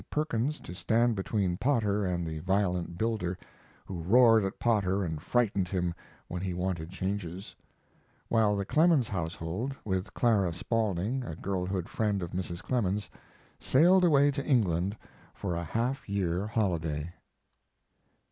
Perkins to stand between Potter and the violent builder, who roared at Potter and frightened him when he wanted changes), while the Clemens household, with Clara Spaulding, a girlhood friend of Mrs. Clemens, sailed away to England for a half year holiday.